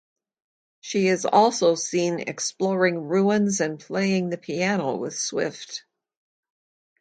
She is also seen exploring ruins and playing the piano with Swift.